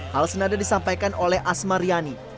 hal senada disampaikan oleh asmar riani